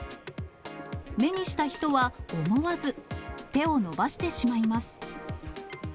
目にした人は思わず手を伸ばしてしまいます。